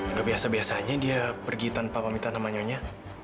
nggak biasa biasanya dia pergi tanpa pamitana manyonya